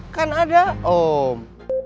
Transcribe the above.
kan ada om